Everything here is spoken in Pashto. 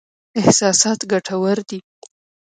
احساسات ګټور دي.